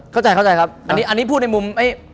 เข้าใจครับอันนี้พูดในมุม